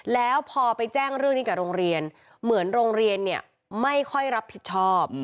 แล้วพอไปแจ้งเรื่องนี้กับโรงเรียนเหมือนโรงเรียนเนี่ยไม่ค่อยรับผิดชอบ